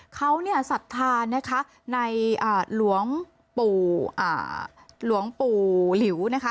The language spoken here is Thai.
เขาเนี่ยสัทธานในหลวงปู่หลิวนะคะ